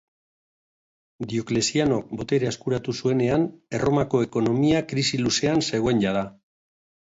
Dioklezianok boterea eskuratu zuenean, Erromako ekonomia krisi luzean zegoen jada.